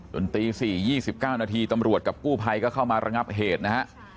ตี๔๒๙นาทีตำรวจกับกู้ภัยก็เข้ามาระงับเหตุนะฮะ